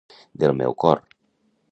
Del meu cor.